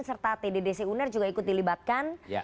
serta tddc uner juga ikut dilibatkan